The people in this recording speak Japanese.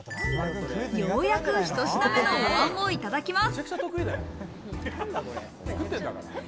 ようやくひと品目のお椀をいただきます。